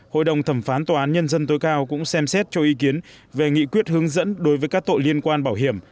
hội đồng thẩm phán tòa án nhân dân tối cao cũng xem xét cho ý kiến về nghị quyết hướng dẫn đối với các tội liên quan bảo hiểm